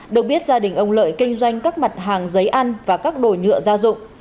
được biết gia đình ông lợi kinh doanh các mặt hàng giấy ăn và các đồ nhựa gia dụng